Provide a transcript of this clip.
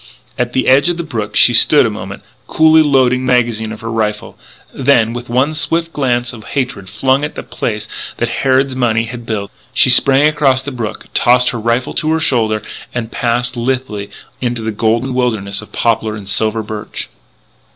At the edge of the brook she stood a moment, coolly loading the magazine of her rifle. Then, with one swift glance of hatred, flung at the place that Harrod's money had built, she sprang across the brook, tossed her rifle to her shoulder, and passed lithely into the golden wilderness of poplar and silver birch.